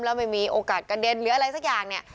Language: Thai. แล้วไม่มีโอกาสกระเด็นหรืออะไรสักอย่างเนี่ย